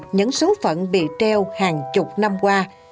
những số phận bị treo hàng chục năm qua